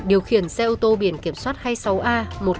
điều khiển xe ô tô biển kiểm soát hai mươi sáu a